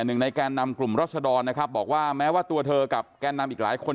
หนึ่งในแกนนำกลุ่มรัศดรนะครับบอกว่าแม้ว่าตัวเธอกับแกนนำอีกหลายคน